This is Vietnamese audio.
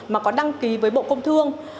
mà có đăng ký với bộ công thương